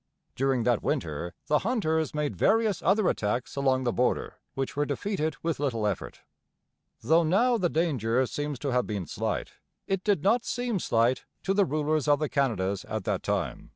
During that winter the 'Hunters' made various other attacks along the border, which were defeated with little effort. Though now the danger seems to have been slight, it did not seem slight to the rulers of the Canadas at that time.